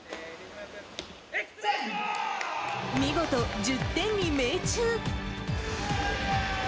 見事、１０点に命中。